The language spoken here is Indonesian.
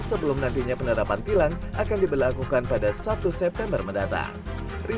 sebelum nantinya penerapan tilang akan diberlakukan pada satu september mendatang